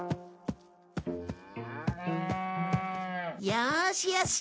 よーしよし。